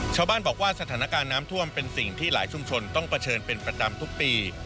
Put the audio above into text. ชาวบ้านบอกว่าสถานการณ์น้ำท่วมเป็นสิ่งที่หลายชุมชนต้องเผชิญเป็นประจำทุกปี